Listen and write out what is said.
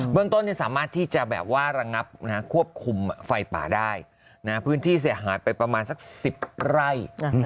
เมืองต้นสามารถที่จะแบบว่าระงับควบคุมไฟป่าได้พื้นที่เสียหายไปประมาณสัก๑๐ไร่